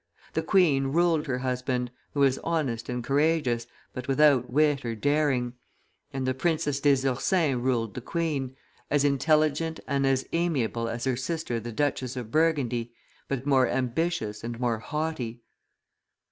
The queen ruled her husband, who was honest and courageous, but without wit or daring; and the Princess des Ursins ruled the queen, as intelligent and as amiable as her sister the Duchess of Burgundy, but more ambitious and more haughty.